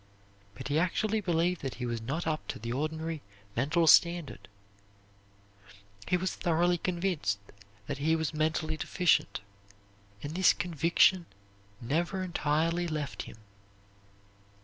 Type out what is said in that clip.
But he actually believed that he was not up to the ordinary mental standard; he was thoroughly convinced that he was mentally deficient, and this conviction never entirely left him.